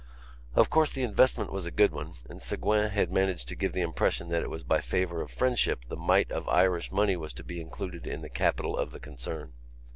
Of course, the investment was a good one and Ségouin had managed to give the impression that it was by a favour of friendship the mite of Irish money was to be included in the capital of the concern.